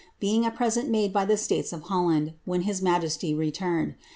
being a present made by the states of Holland, sty returned.